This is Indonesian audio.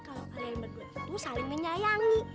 kalo kalian berdua tuh saling menyayangi